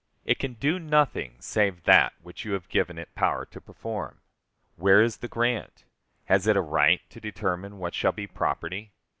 It can do nothing save that which you have given it power to perform. Where is the grant? Has it a right to determine what shall be property?